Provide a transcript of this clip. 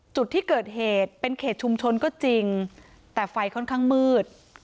จุดที่เกิดเหตุเป็นเขตชุมชนก็จริงแต่ไฟค่อนข้างมืด